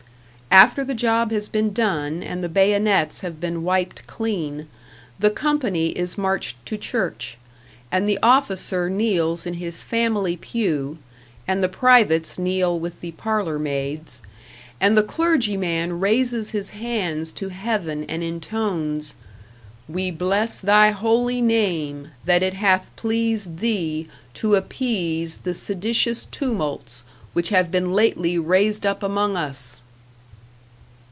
After the job has been done and the bayonets have been wiped clean, the company is marched to church, and the officer kneels in his family pew, and the privates kneel with the parlor maids, and the clergyman raises his hands to heaven and intones: "We bless thy Holy Name, that it hath pleased Thee to appease the seditious tumults which have been lately raised up among us!"